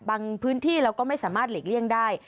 พื้นที่เราก็ไม่สามารถหลีกเลี่ยงได้